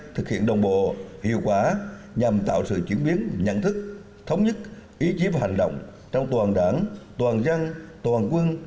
thực hiện đồng bộ hiệu quả nhằm tạo sự chuyển biến nhận thức thống nhất ý chí và hành động trong toàn đảng toàn dân toàn quân